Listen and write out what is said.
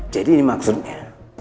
jadi ini maksudnya